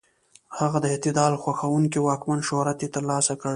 هغه د اعتدال خوښونکي واکمن شهرت یې تر لاسه کړ.